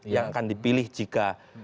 yang akan dipilih jika